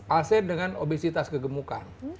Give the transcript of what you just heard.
aset dengan obesitas kegemukan